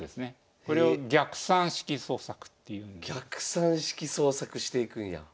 これを逆算式創作していくんや。